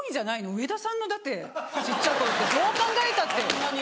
上田さんのだって小っちゃい頃どう考えたって。